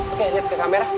oke lihat ke kamera